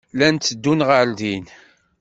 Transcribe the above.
Llan tteddun ɣer din.